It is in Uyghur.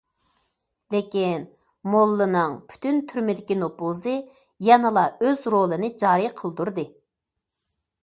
لېكىن موللىنىڭ پۈتۈن تۈرمىدىكى نوپۇزى يەنىلا ئۆز رولىنى جارى قىلدۇردى.